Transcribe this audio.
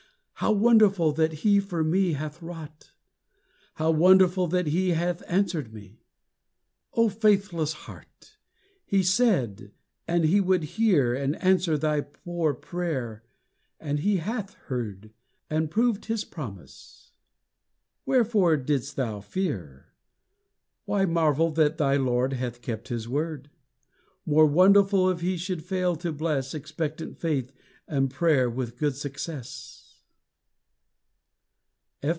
How wonderful that he for me hath wrought! How wonderful that he hath answered me!" O faithless heart! He said that he would hear And answer thy poor prayer, and he hath heard And proved his promise. Wherefore didst thou fear? Why marvel that thy Lord hath kept his word? More wonderful if he should fail to bless Expectant faith and prayer with good success!